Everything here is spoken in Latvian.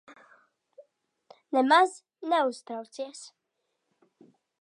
Nemaz neuztraucies.